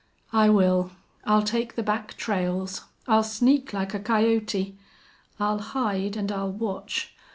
"I will. I'll take the back trails. I'll sneak like a coyote. I'll hide and I'll watch....